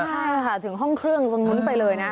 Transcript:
ใช่ค่ะถึงห้องเครื่องตรงนู้นไปเลยนะ